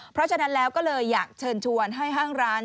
เพราะฉะนั้นแล้วก็เลยอยากเชิญชวนให้ห้างร้าน